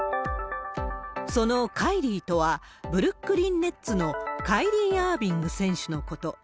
そのカイリーとは、ブルックリン・ネッツのカイリー・アービング選手のこと。